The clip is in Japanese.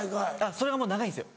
それがもう長いんですよ。